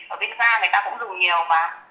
ở việt nam người ta cũng dùng nhiều mà